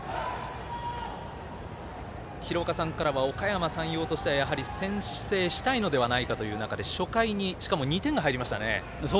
廣岡さんからはおかやま山陽としてはやはり、先制したいのではないかという中で初回にしかも２点が入りましたね。